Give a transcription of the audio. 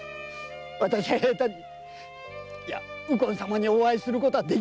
私は平太にいや右近様にお会いすることはできません！